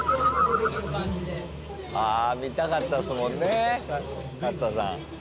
あ見たかったですもんね勝田さん。